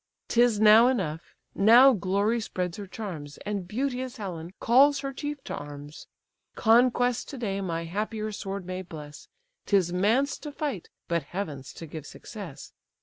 'Tis now enough; now glory spreads her charms, And beauteous Helen calls her chief to arms. Conquest to day my happier sword may bless, 'Tis man's to fight, but heaven's to give success.